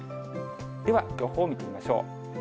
では予報を見てみましょう。